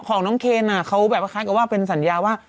ของเขนเขาแบบประคาดที่ว่าเป็นสัญญาว่า